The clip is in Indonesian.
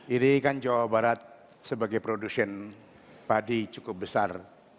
ini kan jawa barat sebagai produsen padi cukup besar